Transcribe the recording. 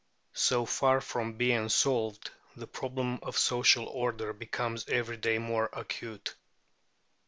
So far from being solved, the problem of social order becomes every day more acute.